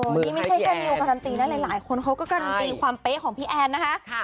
นี่ไม่ใช่แค่มิวการันตีนะหลายคนเขาก็การันตีความเป๊ะของพี่แอนนะคะ